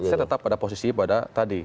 saya tetap pada posisi pada tadi